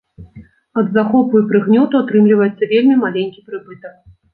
Ад захопу і прыгнёту атрымліваецца вельмі маленькі прыбытак.